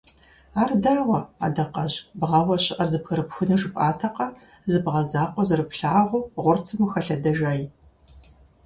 Ар дауэ, Адакъэжь, бгъэуэ щыӀэр зэбгырыпхуну жыпӀатэкъэ, зы бгъэ закъуэ зэрыплъагъуу гъурцым ухэлъэдэжай?